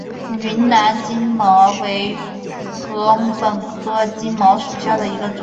云南金茅为禾本科金茅属下的一个种。